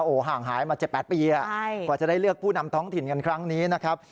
โอ้โหห่างหายมา๗๘ปีกว่าจะได้เลือกผู้นำท้องถิ่นกันครั้งนี้นะครับ